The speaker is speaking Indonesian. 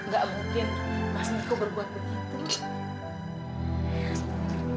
gak mungkin mas niko berbuat begitu